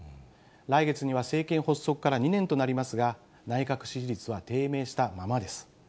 来月には政権発足から２年となりますが、内閣支持率は低迷したままです。